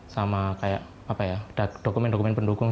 sama kayak apa ya dokumen dokumen pendukung